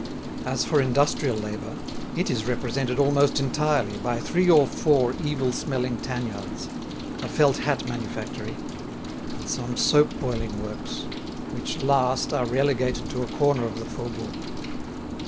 As for industrial labour, it is represented almost entirely by three or four evil smelling tanyards, a felt hat manufactory, and some soap boiling works, which last are relegated to a corner of the Faubourg.